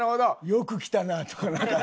「よく来たな」とかなんか。